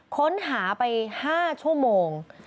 ค้นหาไป๕ชั่วโมง